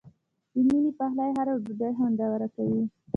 د مینې پخلی هره ډوډۍ خوندوره کوي.